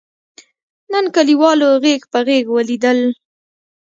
نن کلیوالو غېږ په غېږ ولیدل.